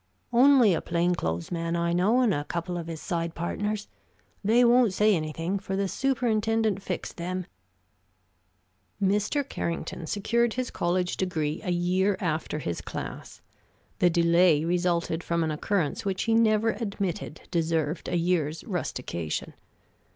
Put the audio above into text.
"Only a plain clothes man I know, and a couple of his side partners. They won't say anything, for the superintendent fixed them." Mr. Carrington secured his college degree a year after his class. The delay resulted from an occurrence which he never admitted deserved a year's rustication.